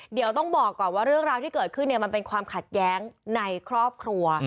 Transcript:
เดี๋ยวต้องบอกก่อนว่าเรื่องราวที่เกิดขึ้นมันเป็นความขัดแย้งในครอบครัว